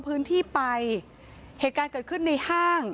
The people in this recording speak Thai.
พนักงานในร้าน